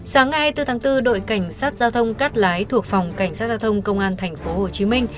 sáng ngày bốn tháng bốn đội cảnh sát giao thông cát lái thuộc phòng cảnh sát giao thông công an tp hcm